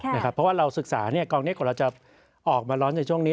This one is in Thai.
เพราะว่าเราศึกษากองนี้กว่าเราจะออกมาร้อนในช่วงนี้